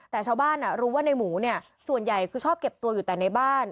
แต่ชาวบ้านรู้ว่าในหมูเนี่ยส่วนใหญ่คือชอบเก็บตัวอยู่แต่ในบ้าน